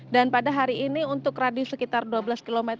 dan pada hari ini untuk radius sekitar dua belas km